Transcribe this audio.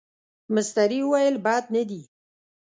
مستري وویل بد نه دي.